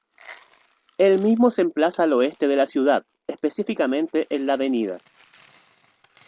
El mismo se emplaza al oeste de la ciudad, específicamente en la Av.